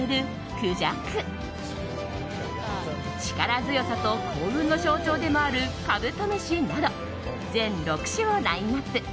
孔雀力強さと幸運の象徴でもある兜虫など全６種をラインアップ。